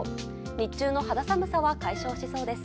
日中の肌寒さは解消しそうです。